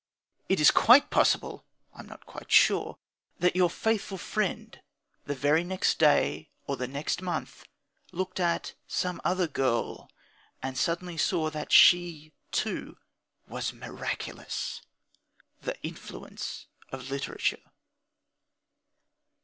It is quite possible I am not quite sure that your faithful friend the very next day, or the next month, looked at some other girl, and suddenly saw that she, too, was miraculous! The influence of literature!